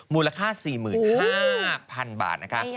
มูลค่า๔๕๐๐๐บาทนะคะ